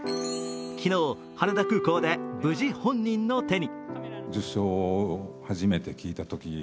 昨日、羽田空港で無事、本人の手に。